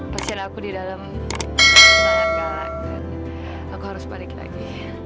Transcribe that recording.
pasti aku di dalam sangat galak dan aku harus balik lagi